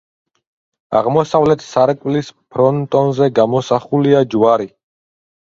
აღმოსავლეთ სარკმლის ფრონტონზე გამოსახულია ჯვარი.